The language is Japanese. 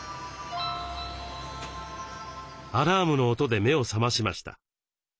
アラームの音で目を覚ましました。